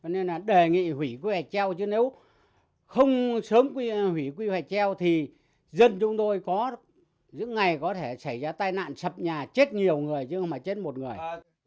nên là đề nghị hủy quy hoạch treo chứ nếu không sớm hủy quy hoạch treo thì dân chúng tôi có những ngày có thể xảy ra tai nạn sập nhà chết nhiều người chứ chết một người